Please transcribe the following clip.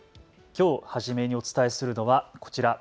きょう初めにお伝えするのはこちら。